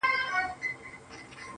د ښكلي سولي يوه غوښتنه وكړو.